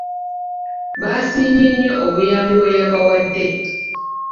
Baasiimye nnyo obuyambi bwe yabawadde.